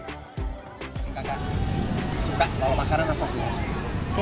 apakah di sini kalau makanannya indian resto